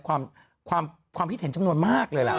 ความคิดเห็นจำนวนมากเลยล่ะ